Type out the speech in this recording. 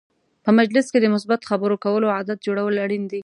په مجلس کې د مثبت خبرو کولو عادت جوړول اړین دي.